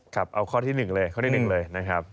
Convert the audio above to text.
เอาข้อที่๑เลยข้อที่๑เลยนะครับ